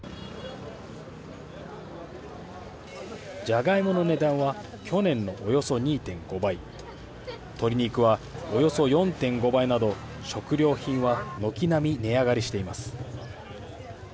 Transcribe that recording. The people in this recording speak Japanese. ジャガイモの値段は去年のおよそ２．５倍、鶏肉はおよそ４．５倍など、食料品は軒並み値上がりしています。